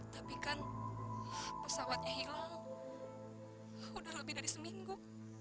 tapi kan pesawatnya hilang udah lebih dari seminggu